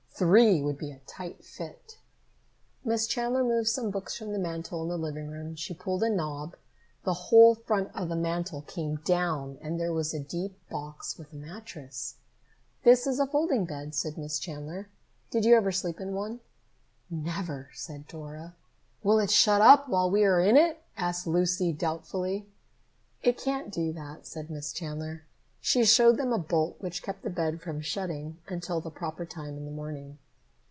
Three would be a tight fit. Miss Chandler moved some books from the mantel in the living room. She pulled a knob. The whole front of the mantel came down and there was a deep box with a mattress. "This is a folding bed," said Miss Chandler. "Did you ever sleep in one?" "Never," said Dora. "Will it shut up while we are in it?" asked Lucy doubtfully. "It can't do that," said Miss Chandler. She showed them a bolt which kept the bed from shutting until the proper time in the morning.